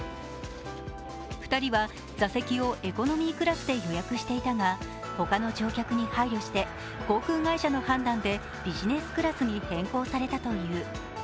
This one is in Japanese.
２人は座席をエコノミークラスで予約していたが、他の乗客に配慮して航空会社の判断でビジネスクラスに変更されたという。